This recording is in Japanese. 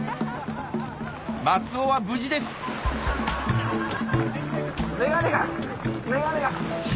松尾は無事です眼鏡が眼鏡が。